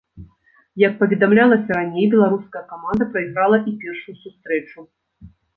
Як паведамлялася раней, беларуская каманда прайграла і першую сустрэчу.